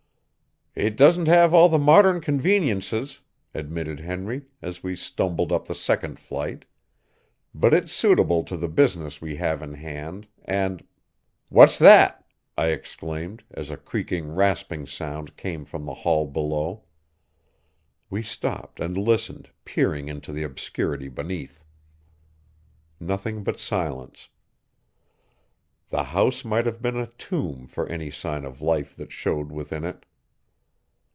"It doesn't have all the modern conveniences," admitted Henry as we stumbled up the second flight, "but it's suitable to the business we have in hand, and " "What's that?" I exclaimed, as a creaking, rasping sound came from the hall below. We stopped and listened, peering into the obscurity beneath. Nothing but silence. The house might have been a tomb for any sign of life that showed within it.